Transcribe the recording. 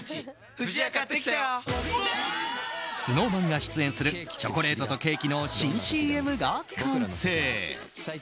ＳｎｏｗＭａｎが出演するチョコレートとケーキの新ＣＭが完成。